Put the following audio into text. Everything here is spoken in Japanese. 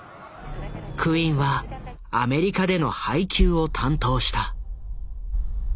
クインはアメリカでの配給を担当した。